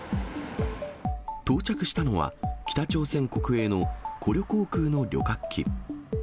到着したのは、北朝鮮国営のコリョ航空の旅客機。